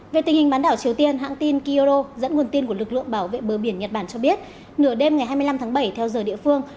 về tình hình bán đảo triều tiên hãng tin kyodo dẫn nguồn tin của lực lượng bảo vệ bờ biển nhật bản cho biết nửa đêm ngày hai mươi năm tháng bảy theo giờ địa phương